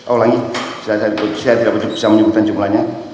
oh lagi saya tidak bisa menyebutkan jumlahnya